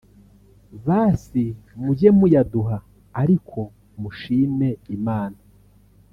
basi mujye muyaduha ariko mushime Imana”